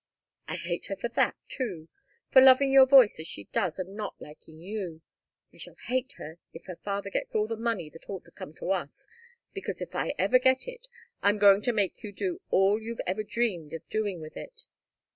"I hate her for that, too for loving your voice as she does, and not liking you. And I shall hate her if her father gets all the money that ought to come to us, because if I ever get it, I'm going to make you do all you've ever dreamed of doing with it.